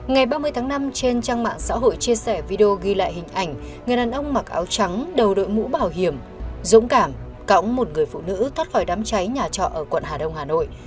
ngày ba mươi tháng năm trên trang mạng xã hội chia sẻ video ghi lại hình ảnh người đàn ông mặc áo trắng đầu đội mũ bảo hiểm dũng cảm cõng một người phụ nữ thoát khỏi đám cháy nhà trọ ở quận hà đông hà nội